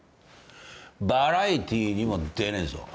バラエティーにも出ねえぞ。